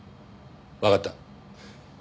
わかった。